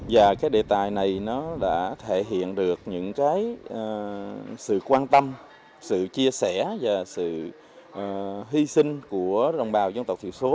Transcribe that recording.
và cái đề tài này nó đã thể hiện được những cái sự quan tâm sự chia sẻ và sự hy sinh của đồng bào dân tộc thiểu số